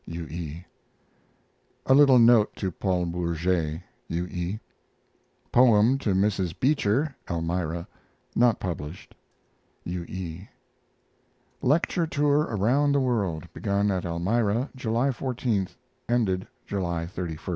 U. E. A LITTLE NOTE TO PAUL BOURGET. U. E. Poem to Mrs. Beecher (Elmira) (not published). U. E. Lecture tour around the world, begun at Elmira, July 14, ended July 31. 1896.